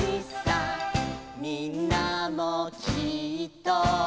「みんなもきっと」